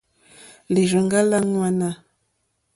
Lírzòŋɡá lá ŋwánà.